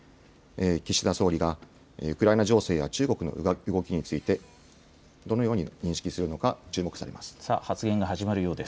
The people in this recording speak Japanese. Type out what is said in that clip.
岸田総理がウクライナ情勢や中国の動きについて、どのように認識するのか注目されます。